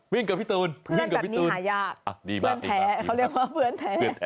วิ่งกับพี่ตูนวิ่งกับพี่ตูนดีมากดีมากดีมากเพื่อนแท้เขาเรียกว่าเพื่อนแท้